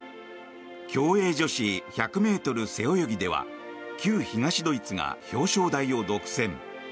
競泳女子１００ｍ背泳ぎでは旧東ドイツが表彰台を独占。